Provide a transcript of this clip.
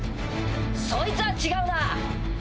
そいつは違うな。